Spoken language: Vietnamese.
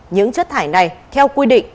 những chất thải này theo quy định